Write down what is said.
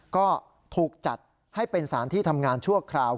ก็ถูกจัดให้เป็นสารที่ทำงานชั่วคราว